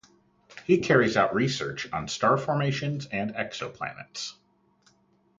He carries out research on star formation and on exoplanets.